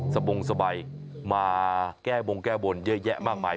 สะบงสบายมาแก้โบลเยอะแยะมากมาย